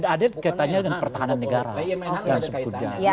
ada kaitannya dengan pertahanan negara